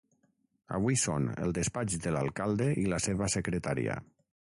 Avui són el despatx de l'alcalde i la seva secretària.